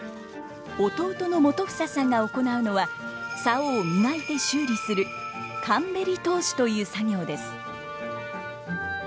弟の元英さんが行うのは棹を磨いて修理する「かんべり通し」という作業です。